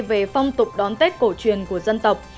về phong tục đón tết cổ truyền của dân tộc